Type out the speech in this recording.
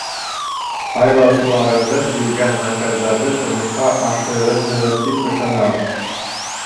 Һайлаусыларығыҙ биргән наказдарҙы тормошҡа ашырырһығыҙ тип ышанам.